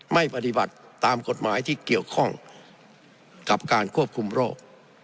ไม่ปฏิบัติตามกฎหมายที่เกี่ยวข้องกับการควบคุมโรค